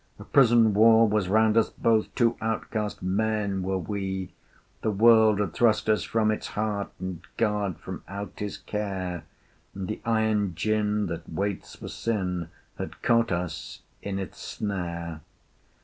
A prison wall was round us both, Two outcast men were we: The world had thrust us from its heart, And God from out His care: And the iron gin that waits for Sin Had caught us in its snare.